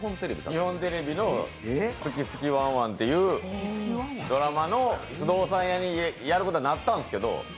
日本テレビの「好き好きワンワン」というドラマの不動産屋をやることになったんですけど。